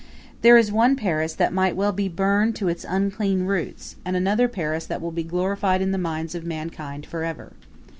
There is one Paris that might well be burned to its unclean roots, and another Paris that will be glorified in the minds of mankind forever.